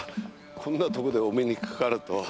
こんなとこでお目にかかるとは。